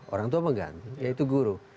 orang tua mengganti yaitu guru